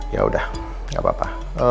ya udah gak apa apa